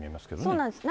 そうなんです。